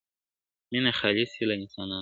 مېنه خالي سي له انسانانو ,